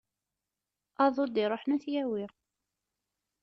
Aḍu i d-iruḥen ad t-yawi.